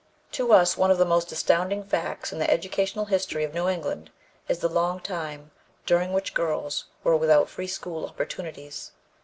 To us one of the most astounding facts in the educational history of New England is the long time during which girls were without free school opportunities.